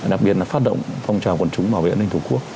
đặc biệt là phát động phong trào quân chúng bảo vệ an ninh thủ quốc